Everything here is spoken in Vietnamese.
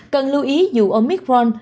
cần lưu ý dù omicron